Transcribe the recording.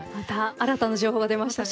新たな情報が出ましたね。